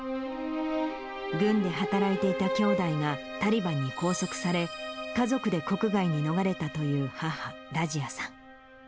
軍で働いていた兄弟がタリバンに拘束され、家族で国外に逃れたという母、ラジアさん。